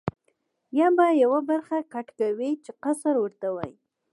یا به یوه برخه کټ کوې چې قصر ورته وایي.